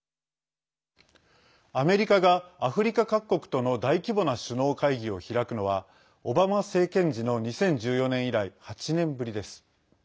アメリカがアフリカ各国との大規模な首脳会議を開くのはオバマ政権時の２０１４年以来８年ぶりです。